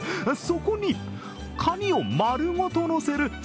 そこに、カニを丸ごとのせる